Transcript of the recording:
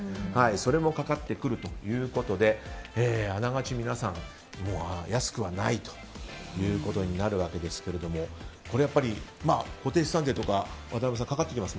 それもかかってくるということであながち皆さん、安くはないということになるわけですがこれは固定資産税とかかかってきます